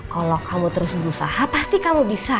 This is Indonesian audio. kalau kamu terus berusaha pasti kamu bisa